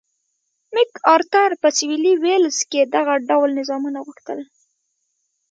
مک ارتر په سوېلي ویلز کې دغه ډول نظامونه غوښتل.